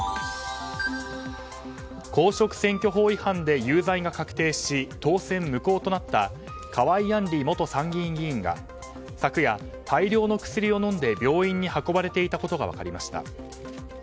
公職選挙法違反で有罪が確定し当選無効となった河井案里元参議院議員が昨夜、大量の薬を飲んで病院に運ばれていたことが分かりました。